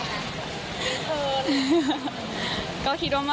ก็คิดว่าไม่นะคะแบบนี้ดีมากค่ะ